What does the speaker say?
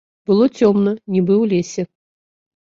Было цёмна, нібы ў лесе.